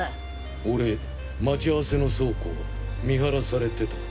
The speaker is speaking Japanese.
俺待ち合わせの倉庫見張らされてた。